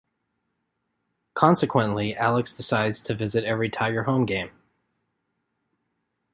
Consequently, Alex decides to visit every Tiger home game.